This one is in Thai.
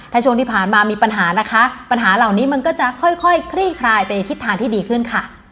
ถ้าช่วงที่ผ่านมามีปัญหานะคะปัญหาเหล่านี้มันก็จะค่อยคลี่คลายไปในทิศทางที่ดีขึ้นค่ะ